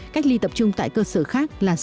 cách ly tập trung tại cơ sở khác là sáu mươi